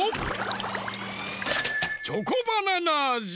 チョコバナナあじ！